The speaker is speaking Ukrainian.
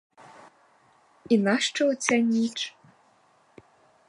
І нащо оця ніч?